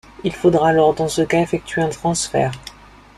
Il faudra alors dans ce cas effectuer un transfert.